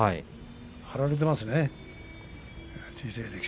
張られてますね。